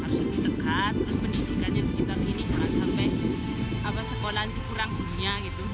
harus lebih tegas terus pendidikannya sekitar sini jangan sampai sekolah nanti kurang dunia gitu